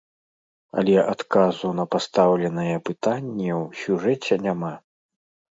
Але адказу на пастаўленае пытанне ў сюжэце няма.